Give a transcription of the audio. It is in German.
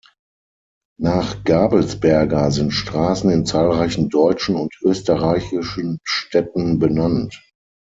Nach Gabelsberger sind Straßen in zahlreichen deutschen und österreichischen Städten benannt.